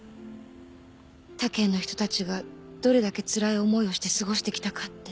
他県の人たちがどれだけつらい思いをして過ごしてきたかって。